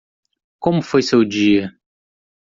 Como foi seu dia